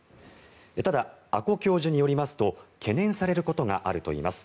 ただ、阿古教授によりますと懸念されることがあるといいます。